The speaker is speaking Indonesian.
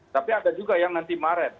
tapi ada juga yang nanti maret